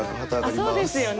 そうですよね。